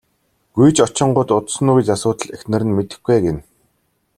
Гүйж очингуут удсан уу гэж асуутал эхнэр нь мэдэхгүй ээ гэнэ.